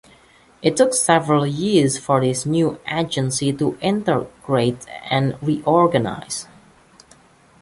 It took several years for this new agency to integrate and reorganize.